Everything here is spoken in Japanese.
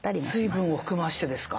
水分を含ましてですか？